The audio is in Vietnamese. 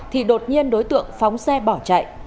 thì đột nhiên đối tượng phóng xe bỏ chạy